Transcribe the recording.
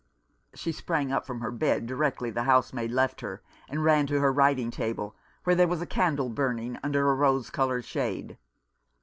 She sprang up from her bed directly the house maid left her, and ran to her writing table, where there was a candle burning under a rose coloured shade.